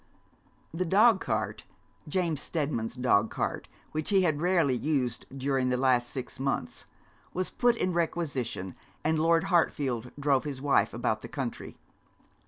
The dogcart, James Steadman's dogcart, which he had rarely used during the last six months, was put in requisition and Lord Hartfield drove his wife about the country.